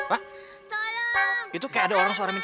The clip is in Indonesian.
aku juga bukan hantu